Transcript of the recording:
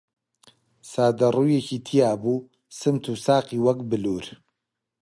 سادە ڕووویەکی تیا بوو، سمت و ساقی وەک بلوور